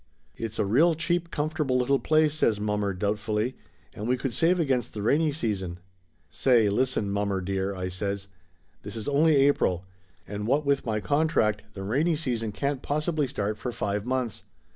"It's a real cheap, comfortable little place," says mommer doubtfully. "And we could save against the rainy season/' "Say, listen, mommer dear," I says. "This is only April, and what with my contract, the rainy season can't possibly start for five months.